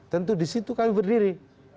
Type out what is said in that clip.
tentu di situ kami berdiri